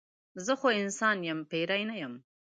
زه خو انسان یم پیری نه یم.